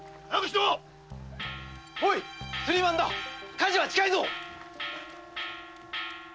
火事は近いぞ！〕